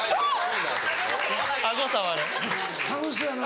楽しそうやな。